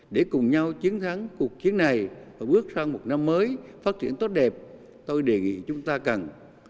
để cùng nhau chiến thắng cuộc chiến này và bước sang một năm mới phát triển tốt đẹp tôi đề nghị chúng ta cần